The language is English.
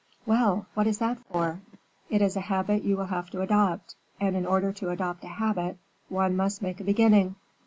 "Well, what is that for? It is a habit you will have to adopt, and in order to adopt a habit, one must make a beginning."